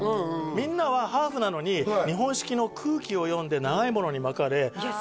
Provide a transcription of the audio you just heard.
みんなはハーフなのに日本式の空気を読んで長いものに巻かれいや